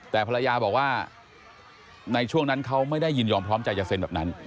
แต่ภรรยาบอกว่าในช่วงนั้นเขาไม่ได้ยินยอมพร้อมใจจะเซ็นแบบนั้น